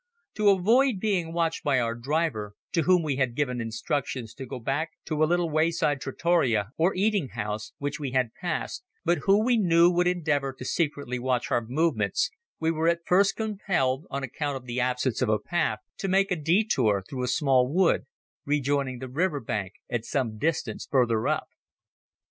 To avoid being watched by our driver, to whom we had given instructions to go back to a little wayside trattoria, or eating house, which we had passed, but who we knew would endeavour to secretly watch our movements, we were at first compelled, on account of the absence of a path, to make a detour through a small wood, rejoining the river bank at some distance further up.